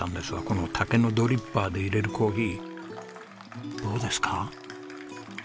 この竹のドリッパーで入れるコーヒーどうですか？